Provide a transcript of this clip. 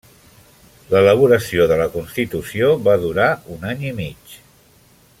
L'elaboració de la Constitució va durar un any i mig.